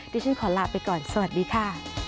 ที่ฉันขอลาไปก่อนสวัสดีค่ะ